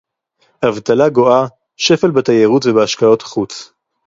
אבטלה גואה, שפל בתיירות ובהשקעות חוץ